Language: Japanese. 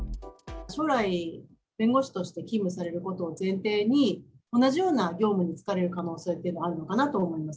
将来、弁護士として勤務されることを前提に、同じような業務に就かれる可能性というのはあるのかなと思います。